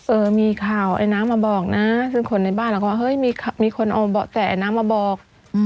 เออมีข่าวไอ้น้ำมาบอกนะซึ่งคนในบ้านเราก็ว่าเฮ้ยมีคนเอาเบาะแสน้ามาบอก